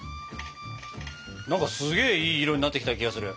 すげえいい色になってきた気がする。